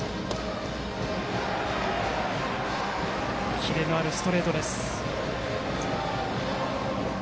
キレのあるストレートです。